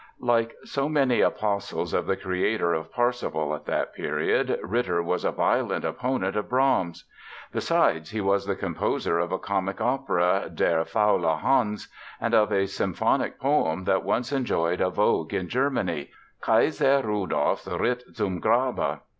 Like so many apostles of the creator of Parsifal at that period, Ritter was a violent opponent of Brahms. Besides he was the composer of a comic opera, "Der faule Hans", and of a symphonic poem that once enjoyed a vogue in Germany, "Kaiser Rudolfs Ritt zum Grabe".